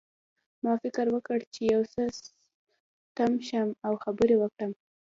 ما فکر وکړ چې یو څه تم شم او خبرې وکړم